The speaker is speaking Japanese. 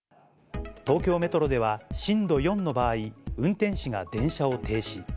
東京メトロでは、震度４の場合、運転士が電車を停止。